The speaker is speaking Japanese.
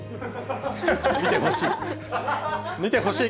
見てほしい。